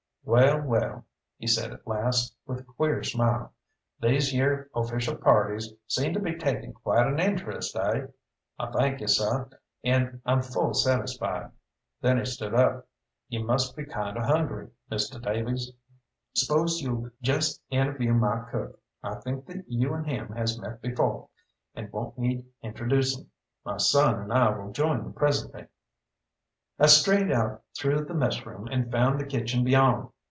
"Well, well," he said at last, with a queer smile, "these yere official parties seem to be takin' quite an interest, eh? I thank you, seh, and I'm full satisfied." Then he stood up. "You must be kinder hungry, Misteh Davies. Spose you jest interview my cook. I think that you and him has met before, and won't need introducin'. My son and I will join you presently." I strayed out through the messroom and found the kitchen beyond.